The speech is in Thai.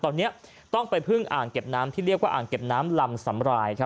ตอนนี้ต้องไปพึ่งอ่างเก็บน้ำที่เรียกว่าอ่างเก็บน้ำลำสำราย